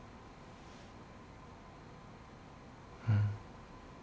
うん。